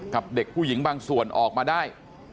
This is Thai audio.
กับเด็กผู้หญิงบางส่วนออกมาได้